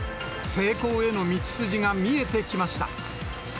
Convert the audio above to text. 成功への道筋が見えてきました。